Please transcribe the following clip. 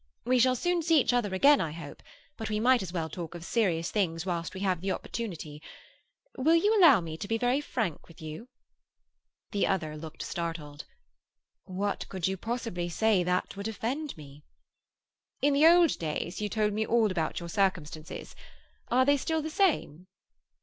"We shall soon see each other again, I hope, but we might as well talk of serious things whilst we have the opportunity. Will you allow me to be very frank with you?" The other looked startled. "What could you possibly say that would offend me?" "In the old days you told me all about your circumstances. Are they still the same?"